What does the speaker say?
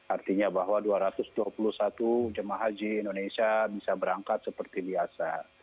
artinya bahwa dua ratus dua puluh satu jemaah haji indonesia bisa berangkat seperti biasa